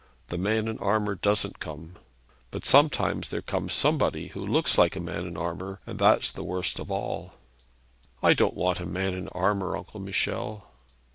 The man in armour doesn't come. But sometimes there comes somebody who looks like a man in armour, and that's the worst of all.' 'I don't want a man in armour, Uncle Michel.'